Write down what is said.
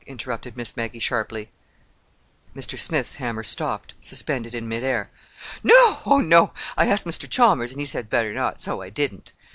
interrupted Miss Maggie sharply. Mr. Smith's hammer stopped, suspended in mid air. "No; oh, no! I asked Mr. Chalmers and he said better not. So I didn't."